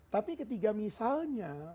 tapi ketiga misalnya